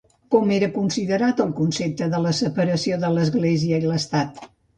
Com era considerat el concepte de la separació de l'Església i l'Estat?